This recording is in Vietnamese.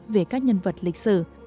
về các nhân vật của nước nhà